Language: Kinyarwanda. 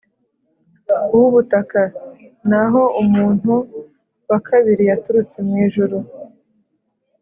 uw’ubutaka: naho umuntu wa kabiri yaturutse mw’ijuru,